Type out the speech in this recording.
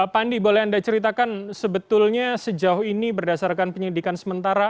pak andi boleh anda ceritakan sebetulnya sejauh ini berdasarkan penyidikan sementara